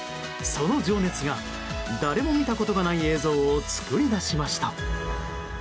その情熱が、誰も見たことがない映像を作り出しました。